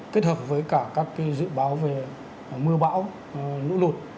kết hợp với cả các dự báo về mưa bão lũ lụt